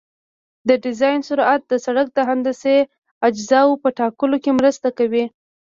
د ډیزاین سرعت د سرک د هندسي اجزاوو په ټاکلو کې مرسته کوي